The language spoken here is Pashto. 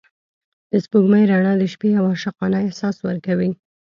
د سپوږمۍ رڼا د شپې یو عاشقانه احساس ورکوي.